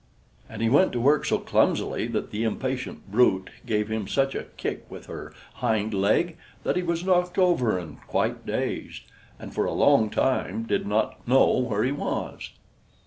And he went to work so clumsily that the impatient brute gave him such a kick with her hind leg that he was knocked over and quite dazed, and for a long time did not know where he was.